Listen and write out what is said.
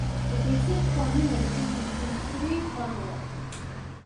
The basic formulation includes three formulae.